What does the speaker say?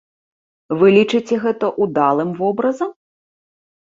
Вы лічыце гэта ўдалым вобразам?